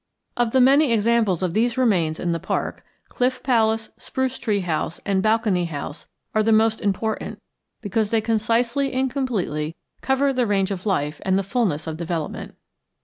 Of the many examples of these remains in the park, Cliff Palace, Spruce Tree House, and Balcony House are the most important because they concisely and completely cover the range of life and the fulness of development.